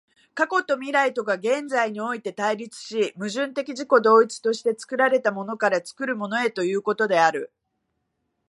過去と未来とが現在において対立し、矛盾的自己同一として作られたものから作るものへということである。